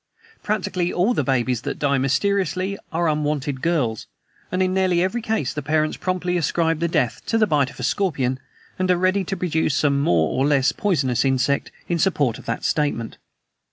"Practically all the babies that die mysteriously are unwanted girls, and in nearly every case the parents promptly ascribe the death to the bite of a scorpion, and are ready to produce some more or less poisonous insect in support of the statement.